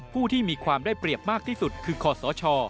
ผู้ที่มีความได้เปรียบมากที่สุดคือคอสช